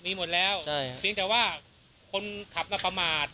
มีหมดแล้วใช่เพียงแต่ว่าคนขับน่ะประมาท